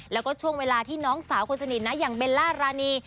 แล้วก็ช่วงเวลาที่น้องสาวคนสนิทนะอย่างเบลล่ารานี